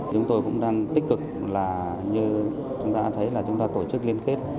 chúng tôi cũng đang tích cực là như chúng ta đã thấy là chúng ta tổ chức liên kết